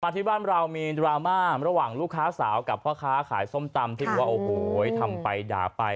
ที่บ้านเรามีดราม่าระหว่างลูกค้าสาวกับพ่อค้าขายส้มตำที่บอกว่าโอ้โหทำไปด่าไป